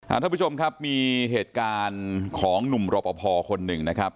ท่านผู้ชมครับมีเหตุการณ์ของหนุ่มรอปภคนหนึ่งนะครับ